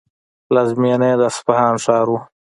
پلازمینه یې د اصفهان ښار و.